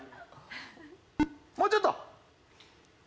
もうちょっと！